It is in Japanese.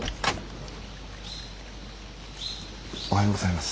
おはようございます。